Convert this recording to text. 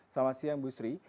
selamat siang bu sri